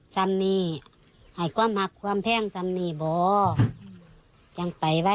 สำนีให้ความหักความแพงสำนีบอก